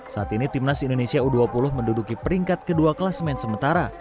saat ini timnas indonesia u dua puluh menduduki peringkat kedua kelas main sementara